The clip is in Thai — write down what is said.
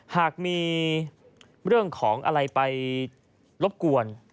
หากมีเรื่องของอะไรไปรบกวน